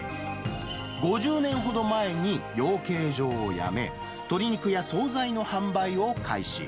５０年ほど前に、養鶏場をやめ、鶏肉や総菜の販売を開始。